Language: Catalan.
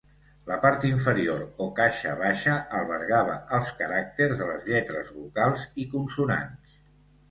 La part inferior, o caixa baixa albergava els caràcters de les lletres vocals i consonants.